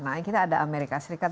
nah kita ada amerika serikat